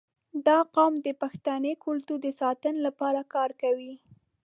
• دا قوم د پښتني کلتور د ساتنې لپاره کار کوي.